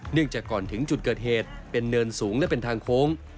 จากก่อนถึงจุดเกิดเหตุเป็นเนินสูงและเป็นทางโค้ง